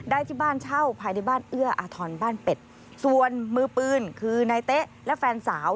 ที่บ้านเช่าภายในบ้านเอื้ออาทรบ้านเป็ดส่วนมือปืนคือนายเต๊ะและแฟนสาว